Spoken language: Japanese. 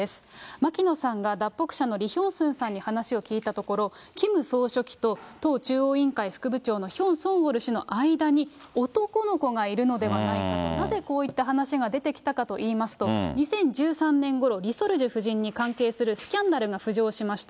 牧野さんが脱北者のリ・ヒョンスンさんに話を聞いたところ、キム総書記と党中央委員会副部長のヒョン・ソンウォル氏の間に男の子がいるのではないかと、なぜこういった話が出てきたかといいますと、２０１３年ごろ、リ・ソルジュ夫人に関するスキャンダルが浮上しました。